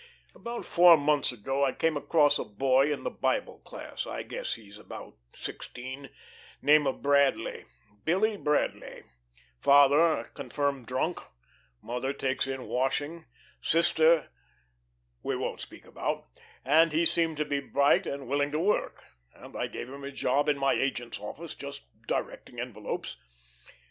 About four months ago I came across a boy in the Bible class; I guess he's about sixteen; name is Bradley Billy Bradley, father a confirmed drunk, mother takes in washing, sister we won't speak about; and he seemed to be bright and willing to work, and I gave him a job in my agent's office, just directing envelopes.